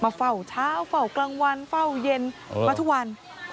เฝ้าเช้าเฝ้ากลางวันเฝ้าเย็นมาทุกวัน